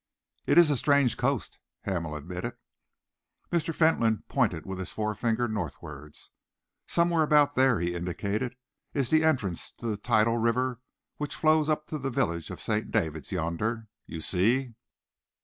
"It is a strange coast," Hamel admitted. Mr. Fentolin pointed with his forefinger northwards. "Somewhere about there," he indicated, "is the entrance to the tidal river which flows up to the village of St. David's yonder. You see?"